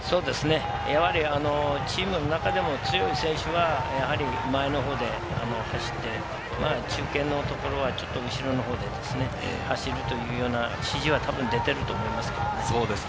やはりチームの中でも強い選手は前の方で走って、中堅のところはちょっと後ろの方でですね、走るという指示は出ていると思いますけれどもね。